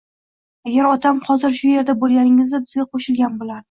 agar otam hozir shu erda bo`lganida bizga qo`shilgan bo`lardi